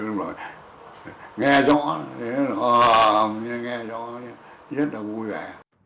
nghe rõ nghe rõ rất là vui vẻ